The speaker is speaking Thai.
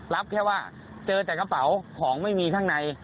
รับแค่ว่าเจอแต่กระเป๋าของไม่มีข้างใน